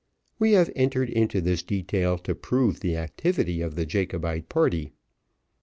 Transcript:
We have entered into this detail to prove the activity of the Jacobite party.